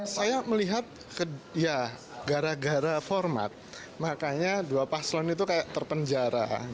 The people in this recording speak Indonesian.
saya melihat ya gara gara format makanya dua paslon itu kayak terpenjara